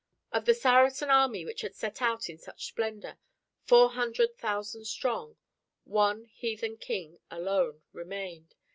Of the Saracen army which had set out in such splendor, four hundred thousand strong, one heathen king alone remained.